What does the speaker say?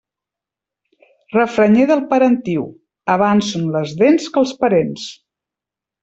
Refranyer del parentiu Abans són les dents que els parents.